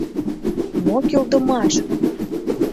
«Мо кӱлдымаш!